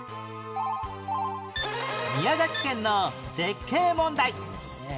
宮崎県の絶景問題